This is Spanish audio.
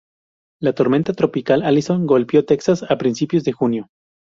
La tormenta tropical Allison golpeó Texas a principios de junio.